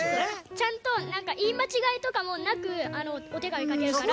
ちゃんとなんかいいまちがいとかもなくお手紙かけるから。